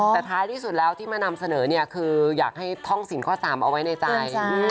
แต่ท้ายที่สุดแล้วที่มานำเสนอเนี่ยคืออยากให้ท่องสินข้อ๓เอาไว้ในใจ